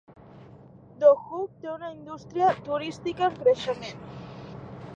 Dohuk té una indústria turística en creixement.